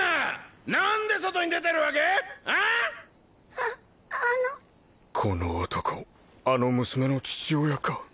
ああのこの男あの娘の父親か？